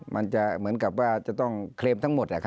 มันจะเหมือนกับว่าจะต้องเคลมทั้งหมด